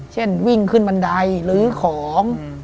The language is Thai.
เช่นวิ่งขึ้นบันไดลื้อของ